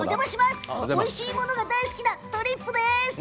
おいしいものが大好きなとりっぷです。